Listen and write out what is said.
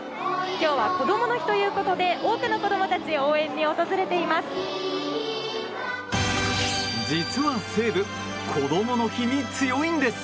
今日はこどもの日ということで多くの子供たちが応援に訪れています。